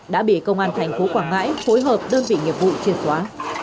đã bị công an thành phố quảng ngãi phối hợp đơn vị nghiệp vụ triệt xóa